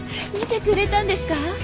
見てくれたんですか？